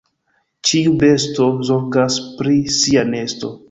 Ĉiu besto zorgas pri sia nesto.